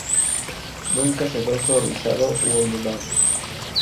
Nunca sedoso, rizado u ondulado.